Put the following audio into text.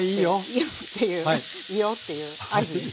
いいよっていうねいいよっていう合図です。